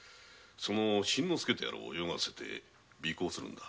新之助とやらを泳がせ尾行するのだ。